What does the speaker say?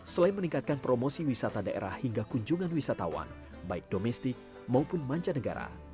selain meningkatkan promosi wisata daerah hingga kunjungan wisatawan baik domestik maupun mancanegara